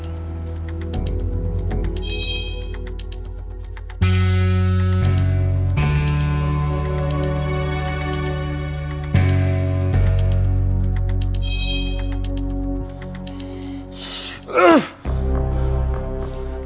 tidak salah namanya mike kan